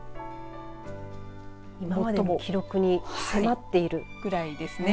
今までの記録に迫っているぐらいなんですね。